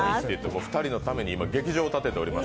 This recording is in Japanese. ２人のために今、劇場を建てております。